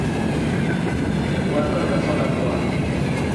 El cuarto alcanzó la proa.